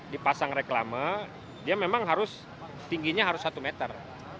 dipasang reklama dia memang harus tingginya harus satu meter